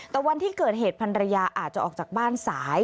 แต่วันที่เกิดเหตุพันรยาอาจจะออกจากบ้านสาย